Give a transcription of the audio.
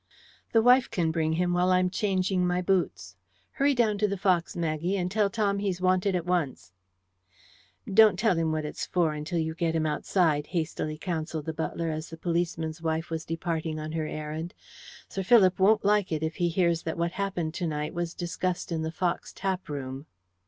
"The wife can bring him while I am changing my boots. Hurry down to the Fox, Maggie, and tell Tom he's wanted at once." "Don't tell him what it's for until you get him outside," hastily counselled the butler as the policeman's wife was departing on her errand. "Sir Philip won't like it if he hears that what happened to night was discussed in the Fox tap room."